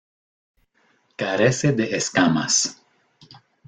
Carece de escamas.